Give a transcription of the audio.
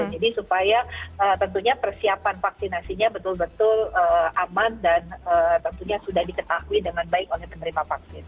supaya tentunya persiapan vaksinasinya betul betul aman dan tentunya sudah diketahui dengan baik oleh penerima vaksin